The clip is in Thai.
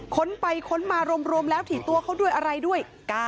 ค้นไปค้นมารวมแล้วถี่ตัวเขาด้วยอะไรด้วย